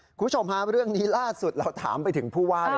คุณผู้ชมฮะเรื่องนี้ล่าสุดเราถามไปถึงผู้ว่าเลย